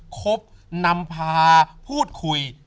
ครบนำพาพูดคุย